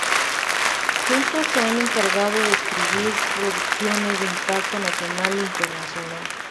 Juntos se han encargado de escribir producciones de impacto nacional e internacional.